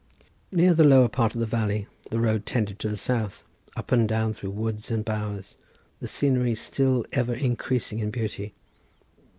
Near the lower part of the valley the road tended to the south, up and down through woods and bowers, the scenery still ever increasing in beauty.